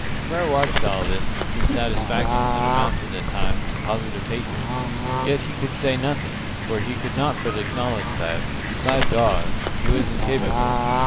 Frere watched all this with dissatisfaction that amounted at times to positive hatred. Yet he could say nothing, for he could not but acknowledge that, beside Dawes, he was incapable.